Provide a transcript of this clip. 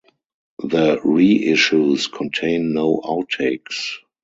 The reissues contain no outtakes.